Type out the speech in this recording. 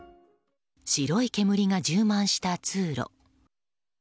白い煙が充満した通路。